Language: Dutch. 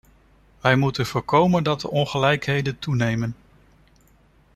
Wij moeten voorkomen dat de ongelijkheden toenemen.